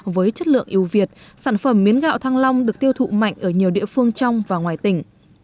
với chất lượng yêu việt sản phẩm miến gạo thăng long được tiêu thụ mạnh ở nhiều địa phương trong và ngoài tỉnh